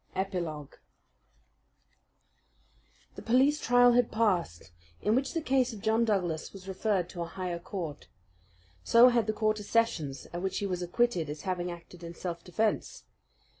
Epilogue The police trial had passed, in which the case of John Douglas was referred to a higher court. So had the Quarter Sessions, at which he was acquitted as having acted in self defense.